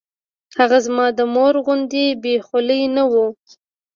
هغه زما د مور غوندې بې خولې نه وه.